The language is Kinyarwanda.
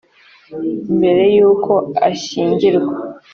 mbere y’uko ashyingirwa